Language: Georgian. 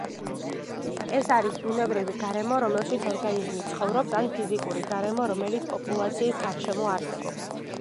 ეს არის ბუნებრივი გარემო რომელშიც ორგანიზმი ცხოვრობს, ან ფიზიკური გარემო, რომელიც პოპულაციის გარშემო არსებობს.